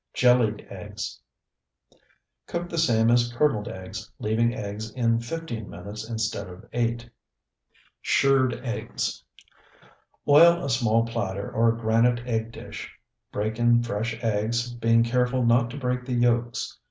JELLIED EGGS Cook the same as curdled eggs, leaving eggs in fifteen minutes instead of eight. SHIRRED EGGS Oil a small platter or granite egg dish, break in fresh eggs, being careful not to break the yolks.